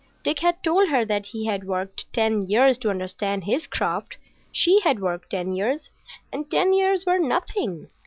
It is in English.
Dick had told her that he had worked ten years to understand his craft. She had worked ten years, and ten years were nothing.